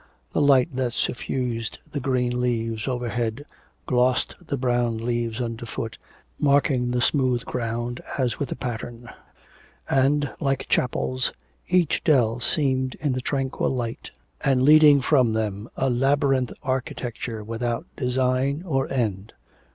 The light that suffused the green leaves overhead glossed the brown leaves underfoot, marking the smooth grosund as with a pattern. And, like chapels, every dell seemed in the tranquil light, and leading from them a labyrinthine architecture without design or end.